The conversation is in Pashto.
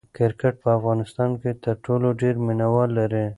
کرکټ په افغانستان کې تر ټولو ډېر مینه وال لري.